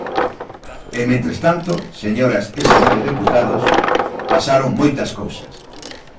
E, mentres tanto, señoras e señores deputados, pasaron moitas cousas.